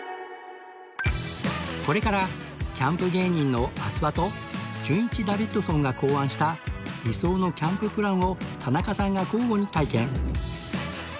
これからキャンプ芸人の阿諏訪とじゅんいちダビッドソンが考案した理想のキャンププランを田中さんが交互に体験